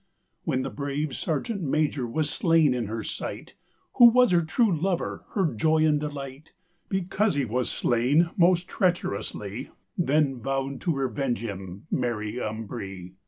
When [the] brave sergeant major was slaine in her sight, Who was her true lover, her joy, and delight, Because he was slaine most treacherouslie Then vowd to revenge him Mary Ambree.